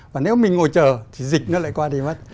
và nếu mình ngồi chờ thì dịch nó lại qua đi mất